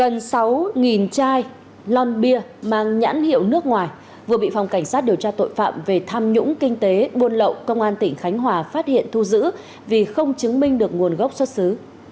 gần sáu chai llon bia mang nhãn hiệu nước ngoài vừa bị phòng cảnh sát điều tra tội phạm về tham nhũng kinh tế buôn lậu công an tỉnh khánh hòa phát hiện thu giữ vì không chứng minh được nguồn gốc xuất xứ